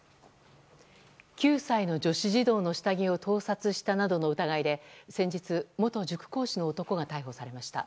９歳の女子児童の下着を盗撮したなどの疑いで先日、元塾講師の男が逮捕されました。